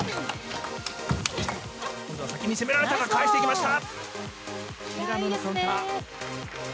今度は先に攻められたが、返していきました。